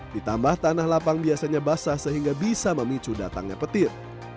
ditambah tanah lapang biasanya basah sehingga bisa memicu datangnya petir